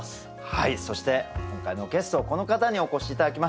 そして今回のゲストこの方にお越し頂きました。